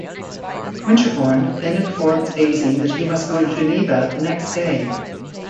Winterbourne then informs Daisy that he must go to Geneva the next day.